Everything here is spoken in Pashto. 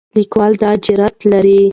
لیکوال دا جرئت لري.